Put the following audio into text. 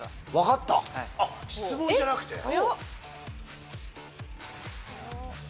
質問じゃなくて⁉違う？